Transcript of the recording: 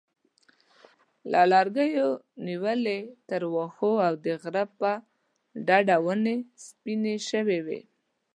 له لرګیو نیولې تر واښو او د غره په ډډه ونې سپینې شوې وې.